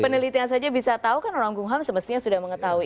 penelitian saja bisa tahu kan orang kumham semestinya sudah mengetahui